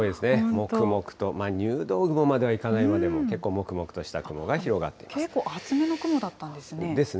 もくもくと、入道雲まではいかないまでも、結構もくもくとした雲が広がっています。ですね。